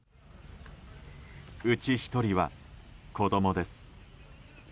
うち１人は子供です。